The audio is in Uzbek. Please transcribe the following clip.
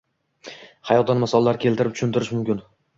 hayotdan misollar keltirib tushuntirish muhim.